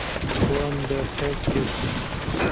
Wan berhev kir.